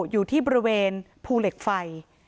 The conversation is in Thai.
อยู่ที่บริเวณภูเหล็กไฟ